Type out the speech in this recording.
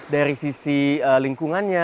dari sisi lingkungannya